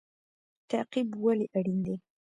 تعقیب ولې اړین دی؟